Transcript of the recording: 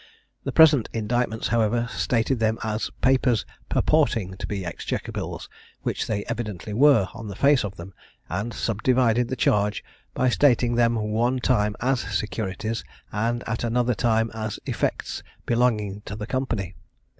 The present indictments, however, stated them as papers purporting to be exchequer bills, which they evidently were on the face of them, and subdivided the charge, by stating them one time as securities, and at another time as effects belonging to the Company.